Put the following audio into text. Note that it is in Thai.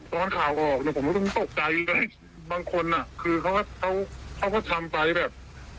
ตอนข่าวออกผมก็ต้องตกใจเลยบางคนอ่ะคือเขาก็เขาเขาก็ทำไปแบบ